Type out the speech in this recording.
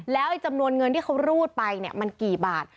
แล้วจำนวนเงินที่เขารูดไปมันกี่บาท